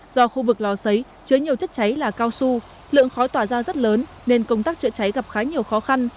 do khu vực lò xấy chứa nhiều chất cháy là cao su lượng khói tỏa ra rất lớn nên công tác chữa cháy gặp khá nhiều khó khăn